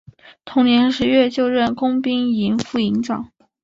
同年十月就任工兵营副营长。